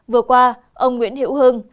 vừa qua ông nguyễn hiệu hương